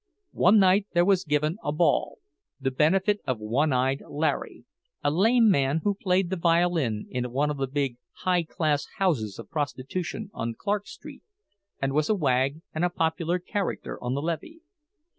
One night there was given a ball, the "benefit" of "One eyed Larry," a lame man who played the violin in one of the big "high class" houses of prostitution on Clark Street, and was a wag and a popular character on the "Lêvée."